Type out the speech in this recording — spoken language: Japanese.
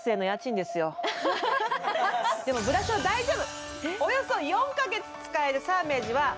でもブラショ、大丈夫。